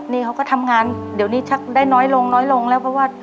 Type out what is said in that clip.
นี่เขาก็ทำงานเดี๋ยวนี้ชักได้น้อยลงน้อยลงแล้วเพราะว่า